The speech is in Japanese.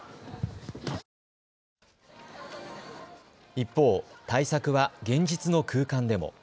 一方、対策は現実の空間でも。